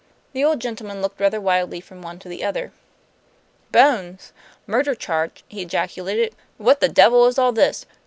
The old gentleman looked rather wildly from one to the other. "Bones! Murder charge!" he ejaculated. "What the devil is all this?